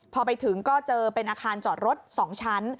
พอไปถึงก็เจอเป็นอาคารจอดรถ๒ชั้น